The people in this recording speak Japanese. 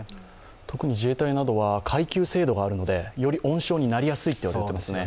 特に自衛隊などは階級制度があるので、より温床になりやすいと言われていますね。